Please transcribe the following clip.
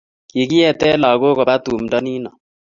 Kikiete lagok kuba tumdo nino